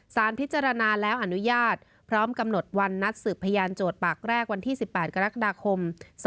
สารพิจารณาแล้วอนุญาตพร้อมกำหนดวันนัดสืบพยานโจทย์ปากแรกวันที่๑๘กรกฎาคม๒๕๖